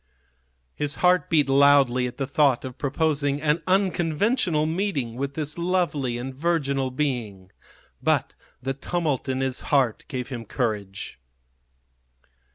His heart beat loudly at the thought of proposing an unconventional meeting with this lovely and virginal being. But the tumult in his heart gave him courage.